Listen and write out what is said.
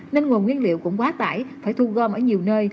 nên nguồn nguyên liệu cũng quá tải phải thu gom ở nhiều nơi